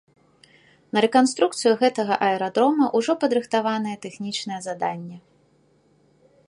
На рэканструкцыю гэтага аэрадрома ўжо падрыхтаванае тэхнічнае заданне.